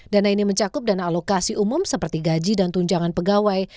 dana ini mencakup dana alokasi umum seperti gaji dan tunjangan pegawai